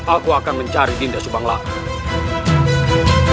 aku akan mencari dinda subang lain